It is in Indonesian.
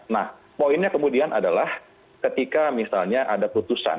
nah poinnya kemudian adalah ketika misalnya ada putusan